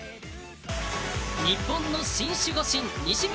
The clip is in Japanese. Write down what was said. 日本のシン・守護神西村